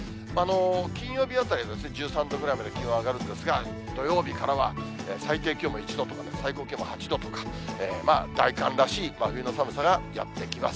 金曜日あたりは１３度ぐらいまで気温上がるんですが、土曜日からは、最低気温も１度とか、最高気温も８度とか、大寒らしい真冬の寒さがやって来ます。